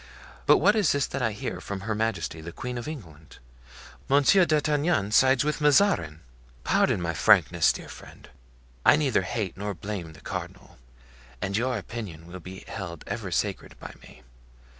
But what is this that I hear from Her Majesty the Queen of England? Monsieur d'Artagnan sides with Mazarin! Pardon my frankness, dear friend. I neither hate nor blame the cardinal, and your opinions will be held ever sacred by me.